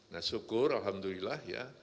nah syukur alhamdulillah ya